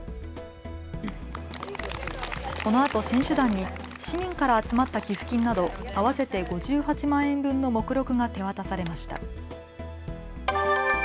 このあと選手団に市民から集まった寄付金など合わせて５８万円分の目録が手渡されました。